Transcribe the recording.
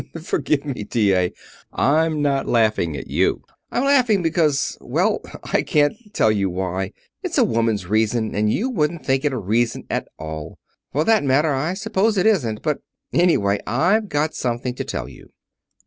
"Forgive me, T.A. I'm not laughing at you. I'm laughing because well, I can't tell you why. It's a woman's reason, and you wouldn't think it a reason at all. For that matter, I suppose it isn't, but Anyway, I've got something to tell you.